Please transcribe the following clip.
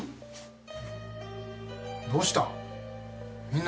どうしたん？